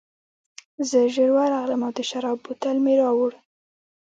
زه ژر ورغلم او د شرابو بوتل مې راوړ